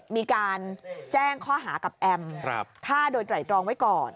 มีการแจ้งค่าค้าอย่างกับแอมแข้นดรไม้ตลองไว้ก่อน